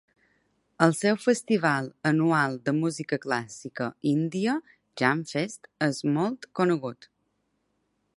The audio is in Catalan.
El seu festival anual de música clàssica índia, "Janfest", és molt conegut.